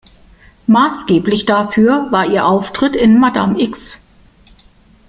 Maßgeblich dafür war ihr Auftritt in "Madame X".